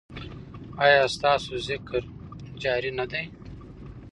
ایا ستاسو ذکر جاری نه دی؟